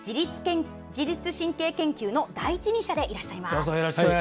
自律神経研究の第一人者でいらっしゃいます。